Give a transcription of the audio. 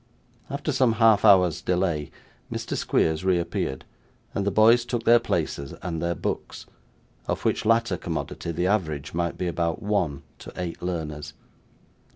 After some half hour's delay, Mr. Squeers reappeared, and the boys took their places and their books, of which latter commodity the average might be about one to eight learners.